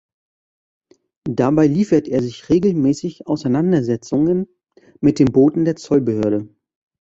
Dabei liefert er sich regelmäßig Auseinandersetzungen mit den Booten der Zollbehörde.